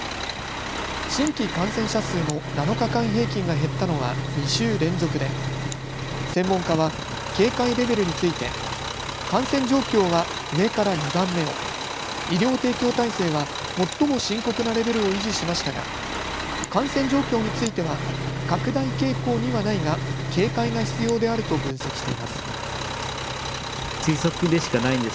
新規感染者数の７日間平均が減ったのは２週連続で専門家は警戒レベルについて感染状況は上から２番目を、医療提供体制は最も深刻なレベルを維持しましたが感染状況については拡大傾向にはないが警戒が必要であると分析しています。